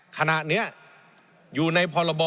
ขณะนี้อยู่ในพรบ